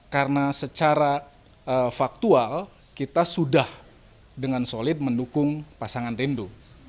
karena secara faktual kita sudah dengan solid mendukung pasangan rindu